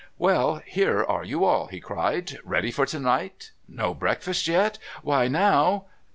"Well, here are you all," he cried. "Ready for to night? No breakfast yet? Why, now...?"